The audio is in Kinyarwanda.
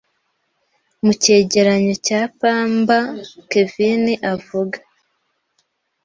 mu cyegeranyo cya Pamba Kevin avuga